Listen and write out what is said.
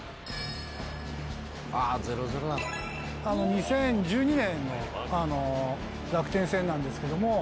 ２０１２年の楽天戦なんですけども。